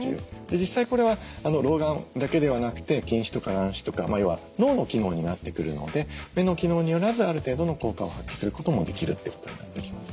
実際これは老眼だけではなくて近視とか乱視とか要は脳の機能になってくるので目の機能によらずある程度の効果を発揮することもできるってことになってきます。